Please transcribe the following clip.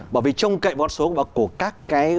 bởi vì trông cậy con số của các cái